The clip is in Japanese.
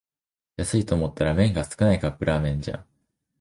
安いと思ったら麺が少ないカップラーメンじゃん